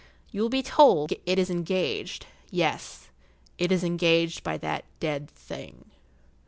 You will be told that it is engaged—yes—it is engaged by that dead thing.